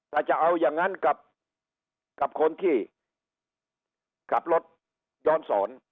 แต่จะเอายังงั้นกับคนที่ขับรถย้อนศร